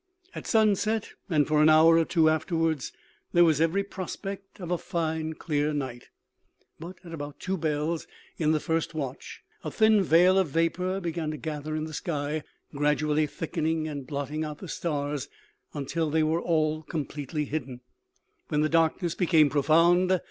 At sunset, and for an hour or two afterwards, there was every prospect of a fine clear night; but at about two bells in the first watch a thin veil of vapour began to gather in the sky, gradually thickening and blotting out the stars until they were all completely hidden, when the darkness became profound.